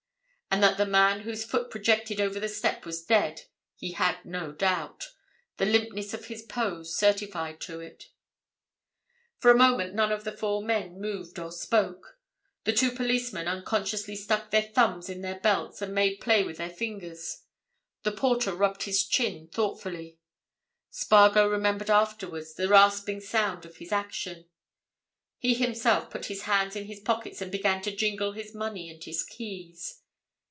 And that the man whose foot projected over the step was dead he had no doubt: the limpness of his pose certified to it. For a moment none of the four men moved or spoke. The two policemen unconsciously stuck their thumbs in their belts and made play with their fingers; the porter rubbed his chin thoughtfully—Spargo remembered afterwards the rasping sound of this action; he himself put his hands in his pockets and began to jingle his money and his keys.